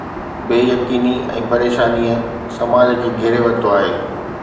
بي يقيني ۽ پريشانيءَ سماج کي گهيري ورتو آهي.